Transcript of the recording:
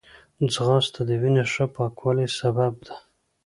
ځغاسته د وینې ښه پاکوالي سبب ده